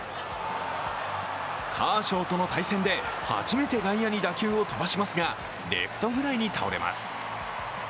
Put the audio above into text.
カーショーとの対戦で初めて外野に打球を飛ばしますがレフトフライに倒れます。